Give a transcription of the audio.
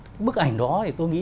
cái bức ảnh đó thì tôi nghĩ